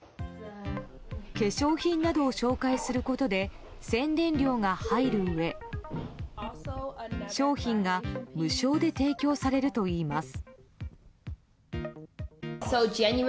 化粧品などを紹介することで宣伝料が入るうえ商品が無償で提供されるといいます。